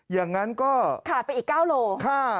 อย่างนั้นก็ขาดไปอีก๙โล